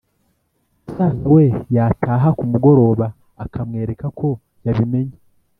musaza we yataha ku mugoroba akamwereka ko yabimenye.